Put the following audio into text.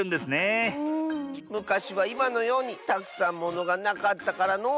むかしはいまのようにたくさんものがなかったからのう。